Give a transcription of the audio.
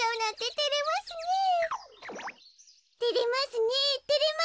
てれますねえ。